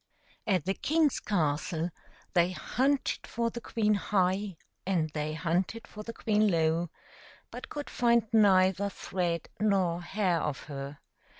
At the king's castle they hunted for the queen high, and they hunted for the queen low, but could find neither thread nor hair of her.